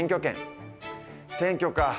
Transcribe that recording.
選挙か。